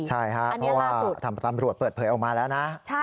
ใช่ครับเพราะว่าตำรวจเปิดเผยออกมาแล้วนะ